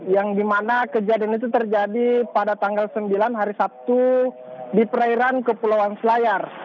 yang dimana kejadian itu terjadi pada tanggal sembilan hari sabtu di perairan kepulauan selayar